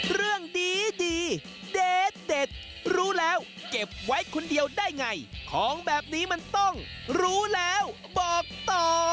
เรื่องดีเด็ดรู้แล้วเก็บไว้คนเดียวได้ไงของแบบนี้มันต้องรู้แล้วบอกต่อ